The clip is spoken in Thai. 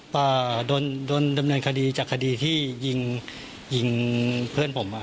แค้นที่โดนดำเนินคดีจากคดีที่ยิงเพื่อนผม